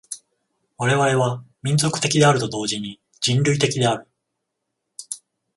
我々は民族的であると同時に人類的である。